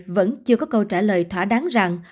vẫn chưa có câu trả lời thỏa đáng rằng